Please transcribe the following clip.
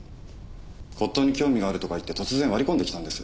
骨董に興味があるとか言って突然割り込んできたんです。